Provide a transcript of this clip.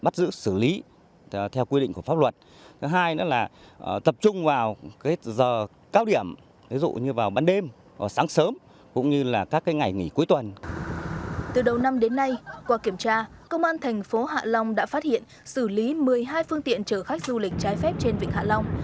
từ đầu năm đến nay qua kiểm tra công an thành phố hạ long đã phát hiện xử lý một mươi hai phương tiện chở khách du lịch trái phép trên vịnh hạ long